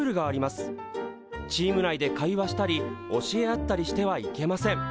チーム内で会話したり教え合ったりしてはいけません。